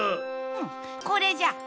うんこれじゃ！